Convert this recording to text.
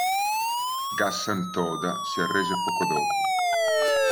Gassan-Toda si arrese poco dopo.